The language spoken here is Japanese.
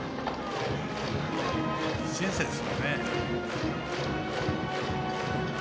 １年生ですもんね。